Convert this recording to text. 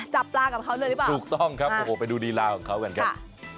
จับปลากับเขาเลยหรือเปล่าถูกต้องครับโอ้โหไปดูลีลาของเขากันครับ